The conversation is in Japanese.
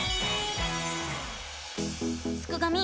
すくがミ！